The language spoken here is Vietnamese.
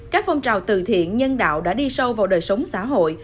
các phong trào từ thiện nhân đạo đã đi sâu vào đời sống xã hội